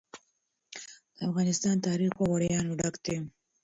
د افغانستان تاریخ په ویاړونو ډک دی.